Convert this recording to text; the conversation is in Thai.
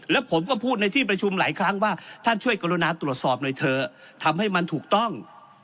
แล้วผมก็พูดในที่ประชุมหลายครั้งว่าท่านช่วยกรุณาตรวจสอบหน่อยเถอะทำให้มันถูกต้อง